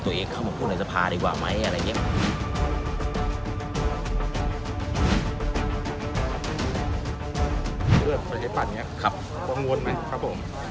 ด้วยประเทศปันดี้กังวลไหมครับผม